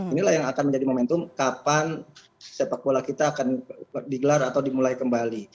inilah yang akan menjadi momentum kapan sepak bola kita akan digelar atau dimulai kembali